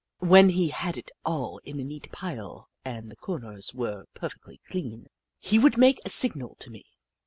When he Hoot Mon 215 had it all in a neat pile and the corners were perfectly clean, he would make a signal to me.